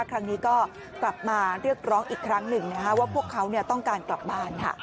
ครั้งนี้ก็กลับมาเรียกร้องอีกครั้งหนึ่งว่าพวกเขาต้องการกลับบ้านค่ะ